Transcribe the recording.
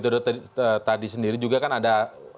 periode tadi sendiri juga kan ada